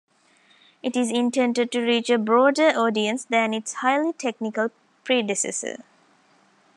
It is intended to reach a broader audience than its highly technical predecessor.